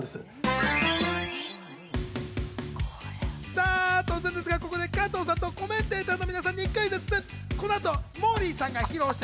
さぁ突然ですがここで加藤さんとコメンテーターの皆さんにクイズッス。